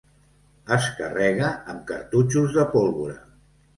Es carrega amb cartutxos de pólvora.